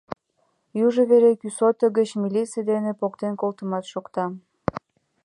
Южо вере кӱсото гыч милиций дене поктен колтымат шокта.